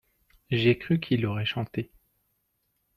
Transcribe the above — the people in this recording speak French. j'ai cru qu'il aurait chanté.